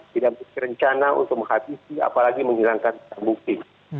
tidak bisa berencana untuk menghabisi apalagi menghilangkan barang bukti